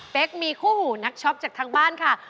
มีคู่หูนักช็อปจากทางบ้านค่ะ